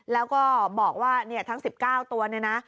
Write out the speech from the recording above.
แล้วก็บอกว่าทั้ง๑๙ตัวเนี่ยนะ